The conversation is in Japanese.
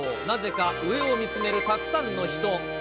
なぜか上を見つめるたくさんの人。